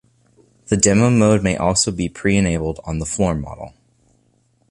The demo mode may also be pre-enabled on the floor model.